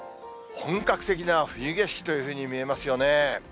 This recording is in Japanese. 本格的な冬景色というふうに見えますよね。